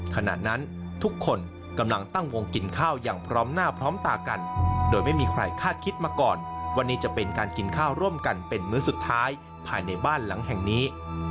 ขณะนั้นทุกคนกำลังตั้งวงกินข้าวอย่างพร้อมหน้าพร้อมตากันโดยไม่มีใครคาดคิดมาก่อนวันนี้จะเป็นการกินข้าวร่วมกันเป็นมื้อสุดท้ายภายในบ้านหลังแห่งนี้